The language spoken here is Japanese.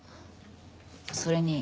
それに。